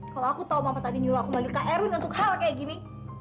kalau aku tahu mama tadi nyuruh aku manggil kak erwin untuk hal kayak gini